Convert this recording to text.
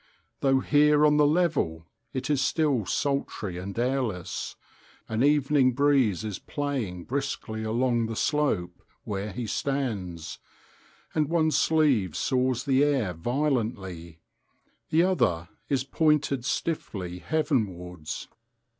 Though here on the level it is still sultry and airless, an evening breeze is playing briskly along the slope where he stands, and one sleeve saws the air violently; the other is pointed stiffly heavenwards.